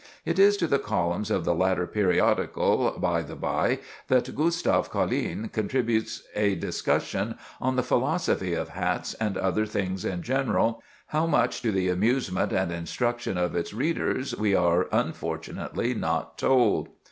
It is to the columns of the latter periodical, by the by, that Gustave Colline contributes a discussion on "The Philosophy of Hats, and Other Things in General"—how much to the amusement and instruction of its readers we are unfortunately not told.